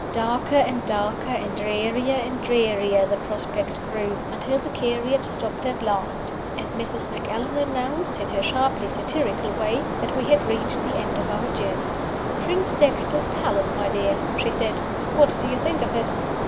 Darker and darker and drearier and drearier the prospect drew, until the carriage stopped at last, and Mrs. Macallan announced, in her sharply satirical way, that we had reached the end of our journey. "Prince Dexter's Palace, my dear," she said. "What do you think of it?"